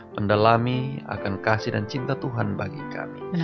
tendalami akan kasih dan cinta tuhan bagi kami